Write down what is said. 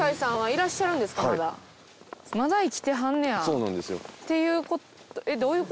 そうなんですよ。っていう事。